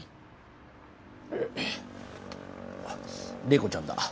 麗子ちゃんだ。